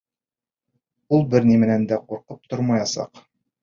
Ул бер нимәнән дә ҡурҡып тормаясаҡ.